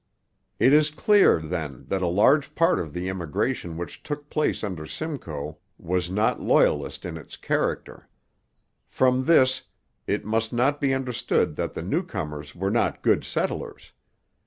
It is clear, then, that a large part of the immigration which took place under Simcoe was not Loyalist in its character. From this, it must not be understood that the new comers were not good settlers.